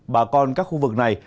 bà con các khu vực này